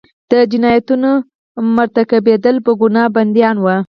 د جنایتونو مرتکبیدلو په ګناه بندیان وو.